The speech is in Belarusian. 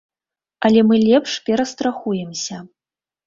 Але мы лепш перастрахуемся.